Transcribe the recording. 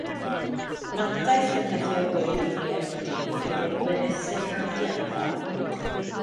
Mantais defnyddio Word i fi ar hyn o bryd yw bod gwirydd sillafu ynddo.